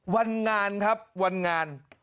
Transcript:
วันงานครับวันงาน